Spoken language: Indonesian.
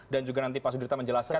dan juga nanti pak sudirta menjelaskan